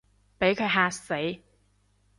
畀佢嚇死